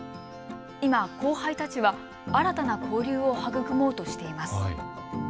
今、後輩たちは新たな交流を育もうとしています。